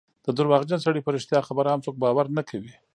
د درواغجن سړي په رښتیا خبره هم څوک باور نه کوي.